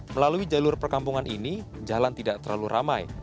melalui jalur perkampungan ini jalan tidak terlalu ramai